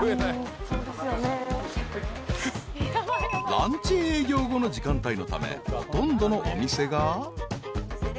［ランチ営業後の時間帯のためほとんどのお店が］